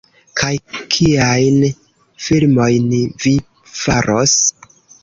Kaj kiajn filmojn vi faros?